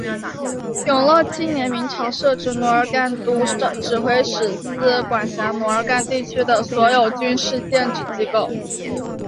永乐七年明朝设置奴儿干都指挥使司管辖奴儿干地区的所有军事建制机构。